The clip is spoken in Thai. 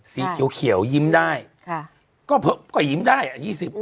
สีเขียวยิ้มได้ค่ะก็ยิ้มได้อ่ะ๒๐